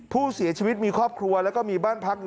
ผู้เสียชีวิตมีครอบครัวแล้วก็มีบ้านพัก